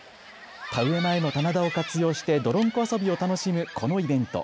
田植え前の棚田を活用して泥んこ遊びを楽しむこのイベント。